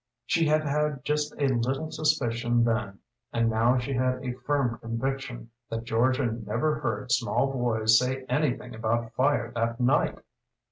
She had had just a little suspicion then, and now she had a firm conviction, that Georgia never heard small boys say anything about fire that night.